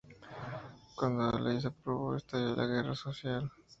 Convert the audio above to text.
Cuando la ley se aprobó estalló la guerra social.